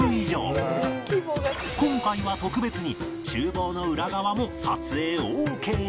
今回は特別に厨房の裏側も撮影オーケーに